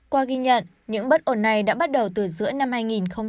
qua ghi nhận những bất ổn này đã bắt đầu từ giữa năm hai nghìn hai mươi ba